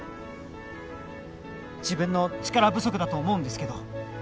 自分の力不足だと思うんですけど